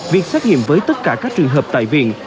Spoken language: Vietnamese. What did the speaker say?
việc xét nghiệm với tất cả các trường hợp tại viện